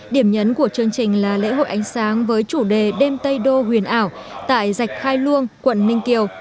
điểm nhấn của chương trình là lễ hội ánh sáng với chủ đề đêm tây đô huyền ảo tại dạch khai luông quận ninh kiều